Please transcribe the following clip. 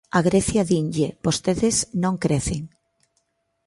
A Grecia dinlle: vostedes non crecen.